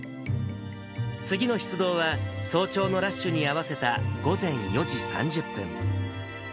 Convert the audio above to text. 次の出動は、早朝のラッシュに合わせた午前４時３０分。